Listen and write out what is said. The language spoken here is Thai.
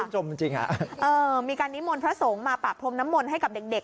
ใช่ค่ะมีการนิมนต์พระสงฆ์มาปรับพรมน้ำมนต์ให้กับเด็ก